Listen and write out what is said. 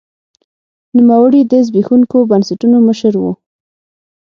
نوموړي د زبېښونکو بنسټونو مشر و.